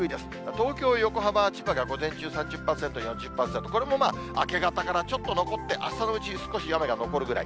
東京、横浜、千葉が午前中３０％、４０％、これも明け方からちょっと残って朝のうち少し雨が残るぐらい。